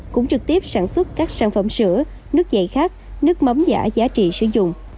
cũng trực tiếp sản xuất các sản phẩm sữa nước dạy khác nước mắm giả giá trị sử dụng